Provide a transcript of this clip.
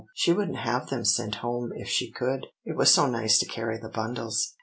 she wouldn't have them sent home if she could, it was so nice to carry bundles.